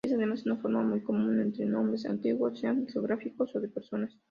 Es además una forma muy común en nombres antiguos, sean geográficos o de personas.